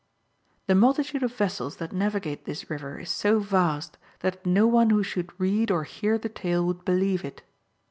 The multitude of vessels that navigate this river is so vast, that no one who should read or hear the tale would believe it.